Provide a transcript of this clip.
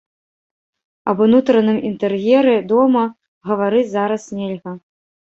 Аб унутраным інтэр'еры дома гаварыць зараз нельга.